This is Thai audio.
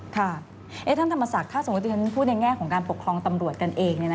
ท่านธรรมศักดิ์ถ้าสมมุติฉันพูดในแง่ของการปกครองตำรวจกันเอง